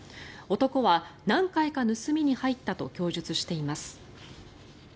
男は何回か盗みに入ったと供述しています。